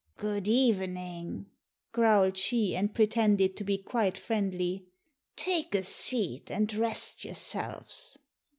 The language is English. "Good evening," growled she, and pretended to be quite friendly. "Take a seat and rest yourselves."